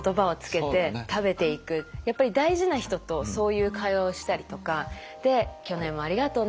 やっぱり大事な人とそういう会話をしたりとかで「去年もありがとうね」。